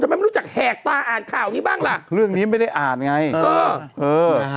ไม่รู้จักแหกตาอ่านข่าวนี้บ้างล่ะเรื่องนี้ไม่ได้อ่านไงเออเออ